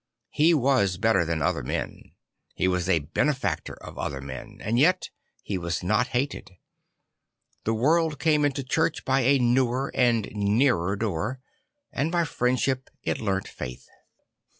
He was better than other men; he was a benefactor of other men; and yet he was not hated. The world came into church by a newer and nearer door; and by friendship it learnt faith.